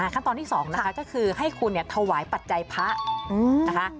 ขั้นตอนที่๒นะคะก็คือให้คุณถวายปัจจัยพระนะคะ